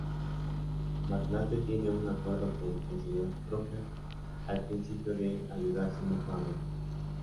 Magnate tiene un acuerdo con el Sr. Crocker, al principio, de ayudarse mutuamente.